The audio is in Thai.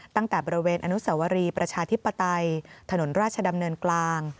ตั้งแต่บริเวณอนุสวรีประชาธิปไตยถนนราชดำเนินกลาง